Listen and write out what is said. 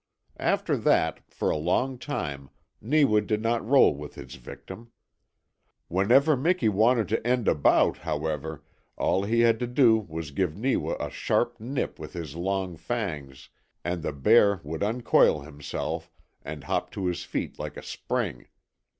After that, for a long time, Neewa did not roll with his victim. Whenever Miki wanted to end a bout, however, all he had to do was to give Neewa a sharp nip with his long fangs and the bear would uncoil himself and hop to his feet like a spring.